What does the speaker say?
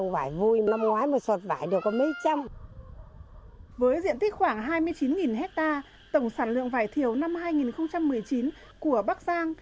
với diện tích khoảng hai mươi chín hectare tổng sản lượng vải thiều năm hai nghìn một mươi chín của bắc giang